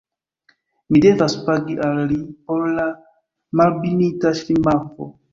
Mi devas pagi al li por la Malbenita Ŝlimakvo.